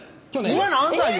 今何歳よ？